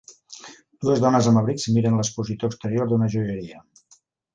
Dues dones amb abrics miren l'expositor exterior d'una joieria.